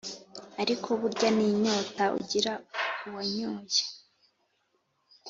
ariko burya n'inyota ugira uwanyoye.